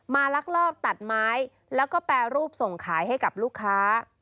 ลักลอบตัดไม้แล้วก็แปรรูปส่งขายให้กับลูกค้า